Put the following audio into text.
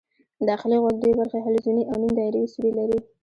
داخلي غوږ دوې برخې حلزوني او نیم دایروي سوري لري.